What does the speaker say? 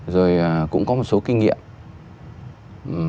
rồi cũng có một số kinh nghiệm